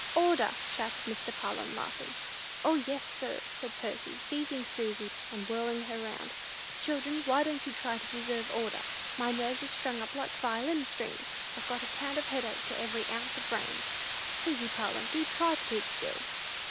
"Order!" shouted Mr. Parlin, laughing. "O, yes, sir," said Percy, seizing Susy and whirling her round. "Children, why don't you try to preserve order? My nerves are strung up like violin strings! I've got a pound of headache to every ounce of brains. Susy Parlin, do try to keep still!"